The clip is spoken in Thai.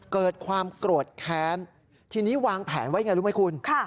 เกิดความโกรธแค้นทีนี้วางแผนไว้อย่างไรรู้ไหมคุณ